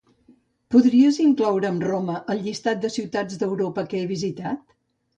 Podries incloure'm Roma al llistat de ciutats d'Europa que he visitat?